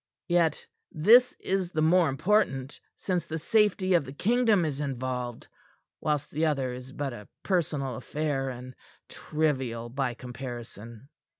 Yet this is the more important since the safety of the kingdom is involved; whilst the other is but a personal affair, and trivial by comparison.